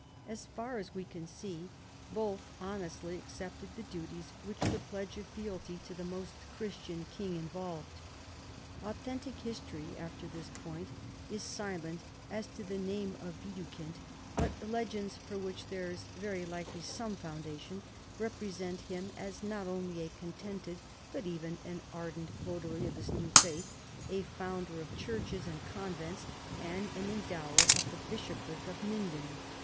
As far as we can see, both honestly accepted the duties which the pledge of fealty to the most Christian THE CONVERSION OP THE SAXONS. 157 king involved. Authentic liistory after this point is silent as to the name of Widukind, but legends, for which there is very likely some foundation, repre sent him as not only a contented but even an ardent votary of his new faith, a founder of churches and convents, and an endower of the bishopric of Minden.